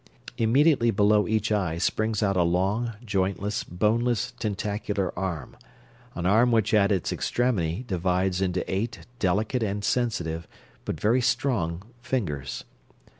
Immediately below each eye springs out a long, jointless, boneless, tentacular arm; an arm which at its extremity divides into eight delicate and sensitive, but very strong, fingers.